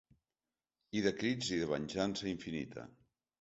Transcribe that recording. I de crits i de venjança infinita.